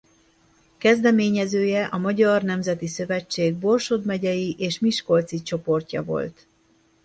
Kezdeményezője a Magyar Nemzeti Szövetség Borsod megyei és miskolci csoportja volt.